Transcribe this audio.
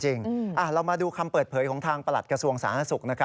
เรามาดูคำเปิดเผยของทางประหลัดกระทรวงสาธารณสุข